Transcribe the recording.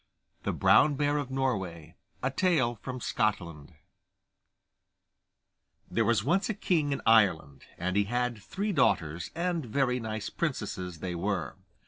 The Brown Bear of Norway There was once a king in Ireland, and he had three daughters, and very nice princesses they were.